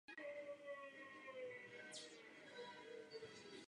Ten se později stal nejúspěšnějším modelem podvodní řady.